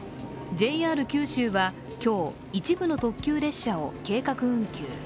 ＪＲ九州は今日、一部の特急列車を計画運休。